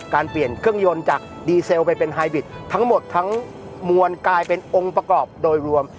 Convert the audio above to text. เปลี่ยนเครื่องยนต์จากดีเซลไปเป็นไฮบิดทั้งหมดทั้งมวลกลายเป็นองค์ประกอบโดยรวม